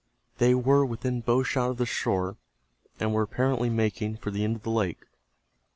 They were within bow shot of the shore, and were apparently making for the end of the lake.